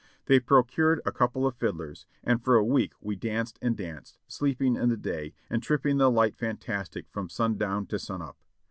They procured a couple of fiddlers, and for a week we danced and danced, sleeping in the day, and tripping the light fantastic from sundown to sunup.